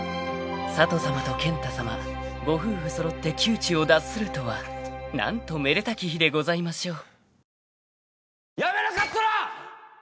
［佐都さまと健太さまご夫婦揃って窮地を脱するとはなんとめでたき日でございましょう］